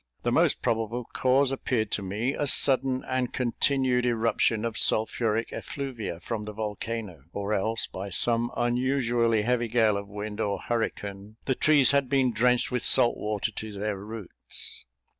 The most probable cause appeared to me, a sudden and continued eruption of sulphuric effluvia from the volcano; or else, by some unusually heavy gale of wind or hurricane, the trees had been drenched with salt water to their roots.